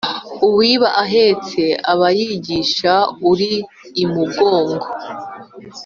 Uwiba ahetse aba yigisha uri imugongo.